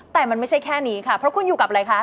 แต่มันไม่ใช่แค่นี้ค่ะเพราะคุณอยู่กับอะไรคะ